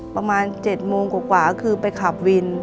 ประมาณ๗โมงกว่าคือไปขับวิน